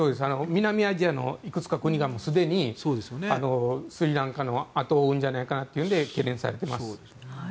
南アジアのいくつかの国がすでにスリランカの後を追うんじゃないかというので懸念されています。